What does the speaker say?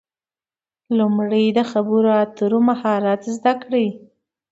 لومړی د خبرو اترو مهارت زده کړئ.